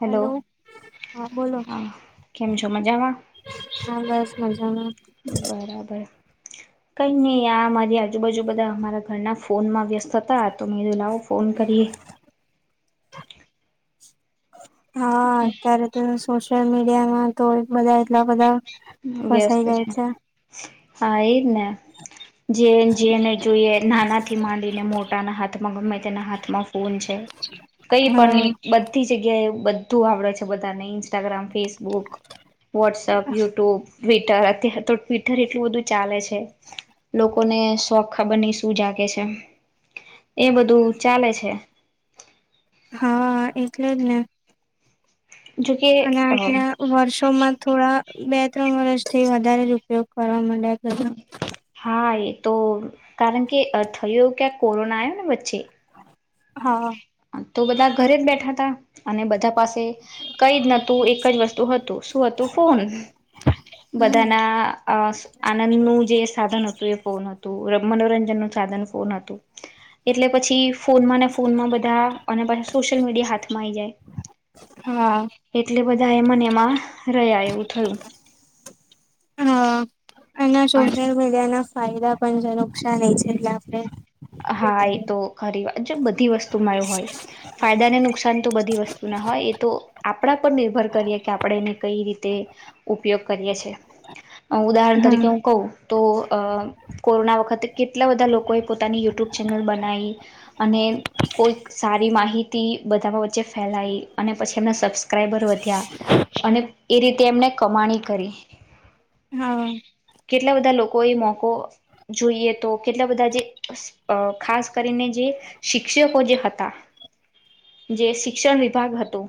Hello hello હા બોલો હા કેમ છો? મજામાં હા બસ મજામાં બરાબર કઈ નહી આ મારી આજુબાજુ બધા અમારા ઘરના ફોનમાં વ્યસ્ત હતા તો મેં લાવો ફોન કરીએ, હા અત્યારે તો શો સોશિયલ મીડિયામાં તો બધા એટલા બધા ફસાઈ જાય છે, હા એને જે જેને જોઈએ નાના થી માંડીને મોટ ા ના હાથમાં ગમે તેના હાથમાં ફોન છે કઈ પણ હા બધી જગ્યા એવું બધું આવડે છે બધાને Instagram Facebook WhatsApp YouTube Twitter અત્યારે તો ટ્વિટર એટલું બધું ચાલે છે લોકોને શોખ ખબરની શું જાગે છે એ બધું ચાલે છે હા એટલે જ ને જોકે અને અ આટલા વર્ષોમાં થોડા બે ત્રણ વર્ષ થી વધારે જ ઉપયોગ કરવા માટે ક હા એ તો કારણ કે થય ક્યાં કોરોના આવ ને વચ્ચે હા તો બધા ઘરે જ બેઠા હતા અને બધા પાસે કઈ જ નતું એક જ વસ્તુ હતું શું હતું ફોન હમ બધાના આનંદનુંું જે સાધન હતું એ ફોનું મનોરંજન નું સાધન કોન હતું એટલે પછી ફોનમાં ને ફોનમાં બધ આ અને પ સોશિયલ મીડ હાથ માં જાય હા એટ એ બધા એમાને એમા રહ્યા એવું થયું અને સોશિયલ મીડિયા એના ફાયદા પણ નુકસાનએ છે એટલે આપણે હા એ તો કરીએ. ખરી વાત જો બધી વસ્તુમાં એ હોય ફાયદા ને નુકસાન તો બધી વસ્તુ ના હોય એ તો આપણા પર નિર્ભર કરીએ કે આપણે એને કઈ રીતે ઉપયોગ કરીએ છે ઉદાહરણ હા તરીકે હું કહું તો અ કોરોના વખતે કેટલા બધા લોકોએ પોતાની યુ યુટ્યુબ ચેનલ બનાવી અને કોઈક સારી માહિતી બધામાં વચ્ચે ફેલાવી અને પછી એમના સબસ્ક્રાઈબર વધ્યા અને એ રીતે એમને કમાણી કરી હા કેટલા બધા લોકો એ મોકો જોઈએ તો કેટલા બધા જે અ ખાસ કરીને જે શિક્ષકો જે હતા જે શિક્ષણ વિભાગ હતો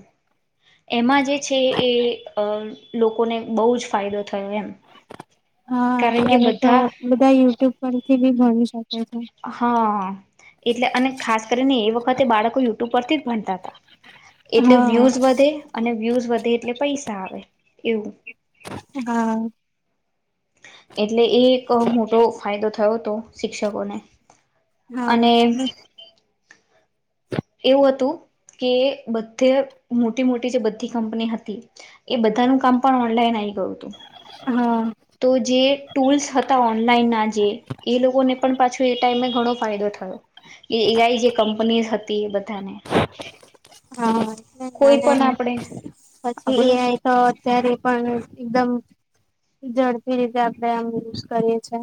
એમાં જે છે એ લોકોને બહુ જ ફાયદો થયો એમ હા કારણ કે અત્યારે તો બધા બધા યુટ્યુબ પર થી પણ ભણી શકે છે હા એટલે અને ખાસ કરીને એ વખતે બાળકો ઉપરથી જ ભણતા તા એટલે હા વ્યુઝ વધે અને વ્યુઝ વધ એટલે પૈસા આવે એવું હા એટલે એ એક મોટો ફાયદો થયો તો શિક્ષકોને હા અને એવુ હતુ કે બધે મોટી મોટી જે બધી કંપની હતી એ બધાનું કામ પણ ઓનલાઈન આઇ ગયુ હા તો જે ટૂલ્સ હતા ઓનલાઈન ના જે એ લોકોને પણ પાછો એ ટાઈમે ઘણો ફાયદો થયો એ આઈ જે કંપનીઝ હતી એ બ તને હા આ પછી બોલો એઆઈ તો અત્યારે પણ એકદમ ઝડપી રીતે આપણેે આમ યુઝ કરીએ છે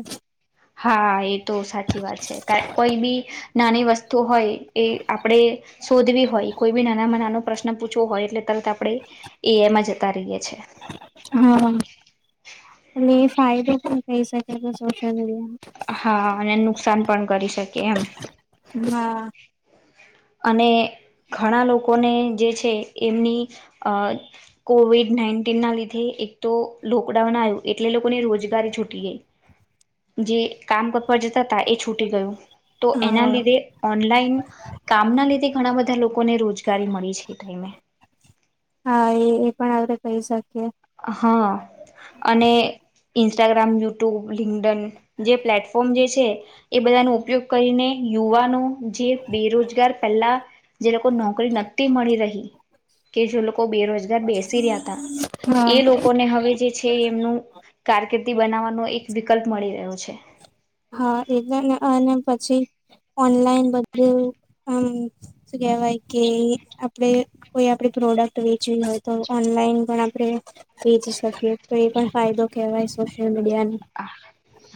હા એ તો સાચી વાત છે કા કોઈ બી નાની વસ્તુ હોય એ આપણેે શોધવી હોય કોઈ બી નાનામાં નાનો પ્રશ્ન પૂછવો હોય એટલે તરત આપણે એઆઈમા જતા રહીએ છ હા અને ફાયદો પણ થઈ શકે તો સોશલ મીડિયા હા અને નુકસાન પણ કરી શકે એમ હા અને ઘણા લોકોને જે છે, એમની અ કોવિડ નાઈન્ટીન ના લીધે એક તો લોકડાઉન આવ્યું એટલે લોકોને રોજગારી છૂટી ગઈ જે કામ કર ઉપર જતા હતા એ છૂટી ગયું તો એના હા લીધે ઓનલાઈન કામના લીધે ઘણા બધા લોકોને રોજગારી મળી છે ટાઈમે હા એ એ પણ પૈસા હા અને ઇન્સ્ટાગ્રામ, યુટ્યુબ, લિંકડન જે પ્લેટફોર્મ જે છે એ બધાનો ઉપયોગ કરીને યુવાનો જે બેરોજગાર પહેલા જે લોકો નોકરી નતી મળી રહી. કે જે લોકો કો બેરોજગાર બેસી રહ્યા હતા. હા. એ લોકોને હવે જે છે એમનું કારક બનાવવાનો એક વિકલ્પ મળી રહ્યો છે. હા એ અને પછી ઓનલાઈન બધું આમ શું કેહેવાય કે આપ કોઈ આપે પ્રોડક્ટ વેચવી હોય તો ઓનલાઈન પણ આપણે વેચી શકીએ તો એ પણ ફાયદો કહેવાય સોશિયલ મીડિયાનો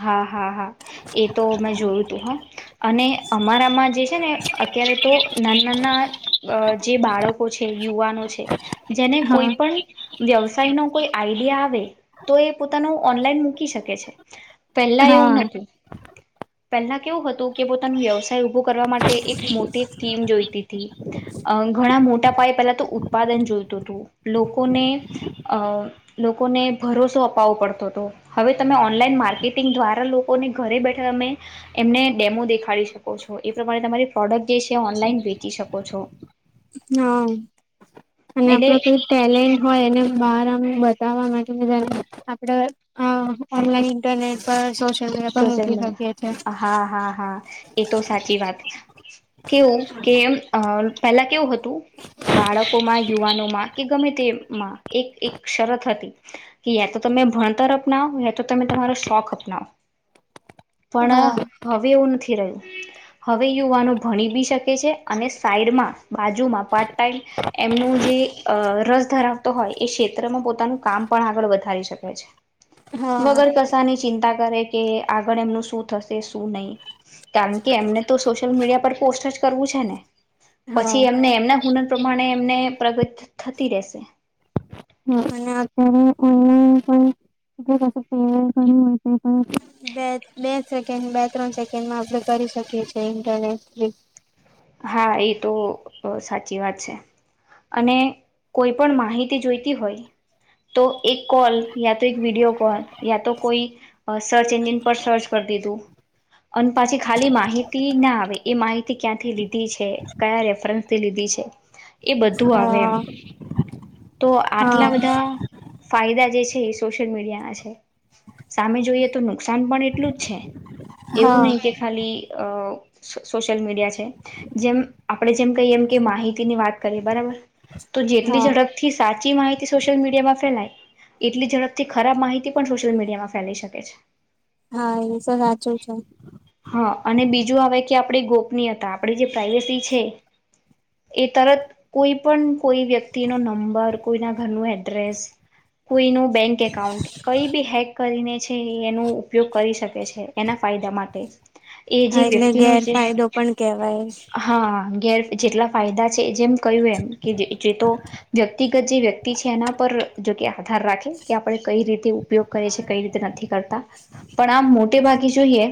હા-હા. હા. એ તો મેં જોયું તું હ અને અમારામાં જે છે ને અત્યારે તો ના નાના જે બાળકો છે. યુવાનો છે જેને હા કોઈ પણ વ્યવસાય ન કોઈ આઈડિયા આવે તો એ પોતાનો ઓનલાઈન મૂશક પેલા એવું હા નથી. પહેલા કેવું હતું કે પોતાનું વ્યવસાય ઉભું કરવા માટે એક મોટી થીમ જોઈતી હતી. ઘણા મોટા પાયે પહેલા તો ઉત્પાદન જોઈતું હતું, લોકોને અ લોકોને ભરોસો અપાવવો પડતો. તો હવે તમે ઓનલાઈન માર્કેટિંગ દ્વારા લોકોને ઘરે બેઠા અમે એમને ડેમો દેખાડી શકો છો, એ પ્રમાણે તમારી પ્રોડક્ટ જે ઓનલાઈન વેચી શકો છો. હા અને આપડો એટલે કઈ ટેલેન્ટ હોય એને બ બતા આપનલાન ઇન્ટરનેટ પર મીડિયા પર સોશિલ મૂકી મીડ શકીએ છે. હા-હા હા એ તો સાચી વાત કેવું કે પેલા કેવું હતું. બાળકો માં યુવાનો માં કે ગમે તે અમાં એક-એક શરત હતી કે યા તો તમે ભણતર અપનાવો યા તો તમે તમારો શોખ અપનાવો. હા પણ હવે એવું નથી. રહ્યું. હવે યુવાનો ભણી બી શકે છે અને સાઈડમાં બાજુમાં પાર્ટ ટાઈમ એમનું જે અ રસ ધરાવતો હોય એ ક્ષેત્રમાં પો નું કામ પણ આગળ વધારી શકે છે. હા વગર કસાની ચિંતા કરે કે આગળ એમનું શું થશે શું નહીં. કારણ કે એમને તો સોશિયલ મીડિયા પર પોસ્ટ જ કરવું છે ને હા પછી એમને એમના હુનર પ્રમાણે એમને પ્રગત થ-થતી રહેશે હમ. અને અત્યારે [unintelligible] બે-બે જ સેકન્ડ બે ત્રણ સેકન્ડમાં આપણે કરી શકીએ છે ઇન્ટરનેટ થી. હા, એ તો અઅ સાચ ચી વાત છે અને કોઈ પણ માહિતી જોઈતી હોય તો એક કોલ યા તો એક વિડીયો કોલ યા તો કોઈ સર્ચ એન્જિન પર સર્ચ કર દીધું અને પાછી ખાલી માહિતીના આવે એ માહિતી ક્યાંથી લી છે, કયા રેફરન થી લીધી છે. એ બધું આવે એમ. હા તો આટલા હા બધા ફાયદા જે છે એ સોશલ મીડિયાના છે. સામે જોઈએ તો નુકસાન પણ એટલું જ છે એવું હા નહી કે ખાલી અઅ સોશિયલ મીડિયા છે જેમ આપડે જેમ કહીએ એમ કે માહિતીની વાત કરીએ બરાબર? તો જેટલી હા ઝડપથી સાર સાચી માહિતી સોશિયલ મીડિયામાં ફેલાય એટલી ઝડપથી ખરાબ માહિતી પણ સોશિયલ મીડિયામાં ફેલાઈ શકે છે. હા, એ સ સાચું છે. આપડી ગોપનીતા આપડી જે પ્રાઇવસી છે એ તરત કોઈપણ કોઈ વ્યક્તિનો નંબર, કોઈના ઘરનું એડ્રેસ, કોઈનું બેંક એકાઉન્ટ કઈ બી હેક કરીને છે એ એનો ઉપયોગ કરી શકે છે એના ફાયદા માટે. એ જે હા એટલે વ્યક્તિનું જે ગેરફાયદો પણ કેવા હા. ગેર જેટલા ફાયદા છે જેમ કયુ એમ કે જે-જે તો વ્યક્તિ જે વ્યક્તિ છે એના પર જોકે આધાર રાખે કે આપણે કઈ રીતે ઉપયોગ કરે છે કઈ રીતે નથી કરતા પણ આમ મો તે બાકી સોઈએ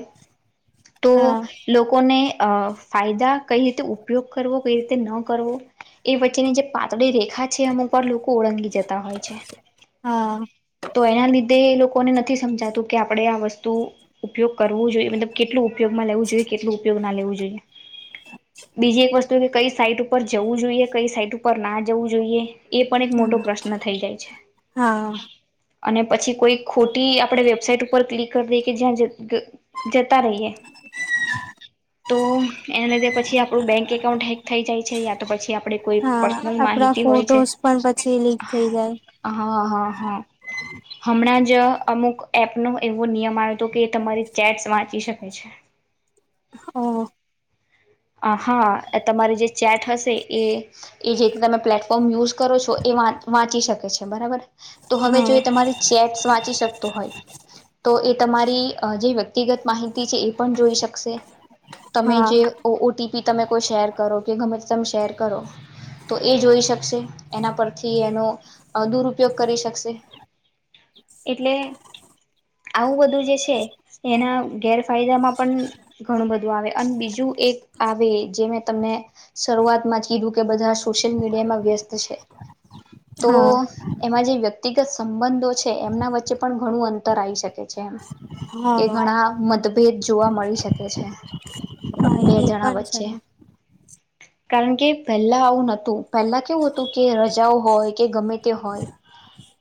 તો હા લોકોને અફ ફાયદા કઈ રીતે ઉપયોગ કરવો કઈ રીતે ન કરવો એ વચ્ચેની જે પાતળી રેખા છે એ અમુકવાર લોકો ઓળંગી જતા હોય છે હા તો એના લીધે એ લોક કોને નથી સમજાતું કે આપણે આ વસ્તુ ઉપયોગ કરવું જોઈએ મતલબ કેટલો ઉપયોગમાં લેવું જોઈએ કેટલું ઉપયોગ ના લેવું જોઈએ બીજી એક વસ્તુ કે કઈ સાઈટ ઉપર જવું જોઈએ કઈ સાઈટ ઉપર ના જવું જોઈએ એ પણ એક મોટો હા પ્રશ્ન થઈ જાય છે હા અને પછી કોઈ ખોટી આપણે વેબસાઇટ ઉપર ક્લિક કરી દઈ કે જ્યાં ગ જતા રહીએ તો એના લીધે પછી આપણું બેંક એકાઉન્ટ હેક થઈ જાય છે યા તો પછી આપણે કોઈ હા પર્સનલ આપડા માહિતી હોય છે ફોટોસ પણ પછી લીક થઈ જાય હા હા હા હમણાં જ અમુક એપનો એવો નિયમ આવ્યો હતો કે એ તમારી ચેટ્સ વાંચી શકે છે ઓહ હા તમારી જે ચેટ હશે એ એ જે તમે પ્લેટફોર્મ યુઝ કરો છો એ વા વાંચી શકે છે બરાબર તો હવે જો હા એ તમારી ચેટસ વાંચી શકત હોય તો એ તમારી જે વ્યક્તિગત માહિતી છે એ પણ જોઈ શકશે તમે હા જે ઓ ઓટીપી તમે કોઈ શેર કરો કે ગમે તમે શેર કરો તો એ જોઈ શકશે એના પરથી એનો દુરુપયોગ કરી શકશે એટલે આવું બધું જે છે એના ગેરફાયદામાં પણ ઘણું બધું આવે અને બીજું એક આવે જે મેં તમને શરૂઆતમાં જ કીધું કે બધા સોશિયલ મીડિયામાં વ્યસ્ત છે તો હા એમાં જે વ્યક્તિગત સંબંધો છે એમના વચ્ચે પણ ઘણું અંતર આવી શકે છે એમ કે હા ઘણા મત ભેદ જોવા મળી શકે છે. હા બે એ જણા પણ છે. વચ્ચે કારણ કે પહેલા આવું નતું પહેલા કેવું હતું કે રજાઓ હોય કે ગમે તે હોય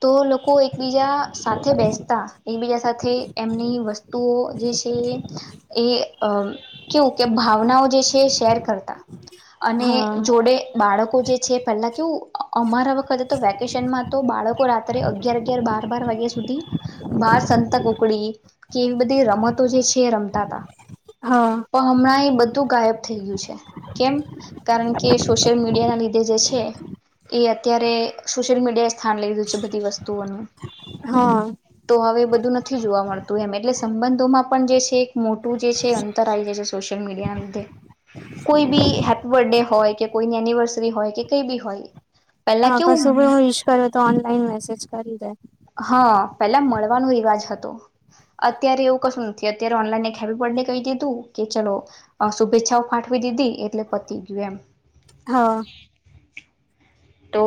તો લોકો એકબીજા સાથે બેસતા એકબીજા સાથે એમની વસ્તુઓ જે છે એ કેવું કે ભાવનાઓ જે છે શેર કરતા અને હા જોડે બાળકો જે છે પહેલા કેવું અમારા વખતે તો વેકેશનમાં તો બાળકો રાત્રે અગિયાર અગિયાર બાર બાર વાગ્યા સુધી બાર સંતાકુકડી કે એવી બધી રમતો જે છે રમતા તા હા પણ હમણાં એ બધું ગાયબ થઈ ગયું છે કેમ કારણ કે સોશિયલ મીડિયા ના લીધે જે છે એ અત્યારે સોશિયલ મીડિયા એ સ્થાન લઈ લીધું છે બધી વસ્તુઓનું હા તો હવે એ બધું નથી જોવા મળતું એમ એટલે સંબંધોમાં પણ જે છે એક મોટું જે છે અંતર આવી ગયુ છ સોશિયલ મીડિયા ના લીધે કોઈ બી હેપી બર્થડે હોઠય કે કોઈની એનિવર્સરી હોય કે કઈ બી હોય પેલા હા કશું કેવું ભી વિસ કર્યો તો ઓનલાઈન મેસેજ કરી દે હા પેલા મળવાનો રિવાજ હતો અત્યારે એવું કશું નથી અત્યારે ઓનલાઈન એક હેપ્પીબર્થડે કઈ દીધું. કે ચલો શુભેચ્છાઓ ફાઠવી દીધી એટલે પતી ગયું એમ હા તો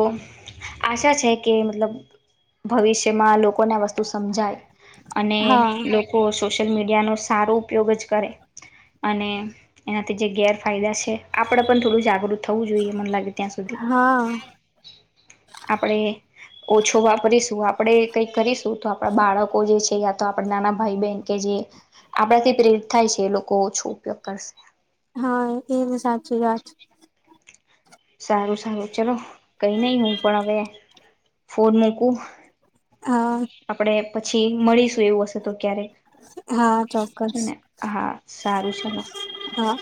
આશા છે કે મતલબ ભવિષ્યમાં લોકોને આ વસ્તુ સમજાય અને હા લોકો સો સોશિયલ મીડિયાનો સારો ઉપયોગ જ કરે અને એનાથી જે ગેરફાયદા છે, આપણેે પણ થોડું જાગૃત થવું જોઈએ મને લાગે હા આપણેે ઓછો વાપરીશું આપણેે કઈ કરીશું તો આપડા બાળકો જે છે યા તો આપડા નાના ભાઈ બહેન કે જે આપડાથી પ્રેરિત થાય છે એ લોકો ઓછો ઉપયોગ કરશે એ જ સાચી વા છે. સારું સારું ચલો કઈ નહી હું પણ હવે ફોન મૂકું હા આપણેે પછી મળીશું એવું હશે તો ક્યારેક હા ચોક્કસ ને હા સારું છે. હા